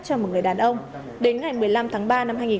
cho một người đàn ông đến ngày một mươi năm tháng ba